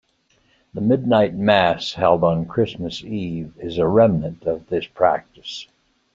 The Midnight Mass held on Christmas Eve is a remnant of this practice.